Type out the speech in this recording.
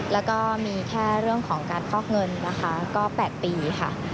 แล้วก็มีแค่เรื่องของการฟอกเงินนะคะก็๘ปีค่ะ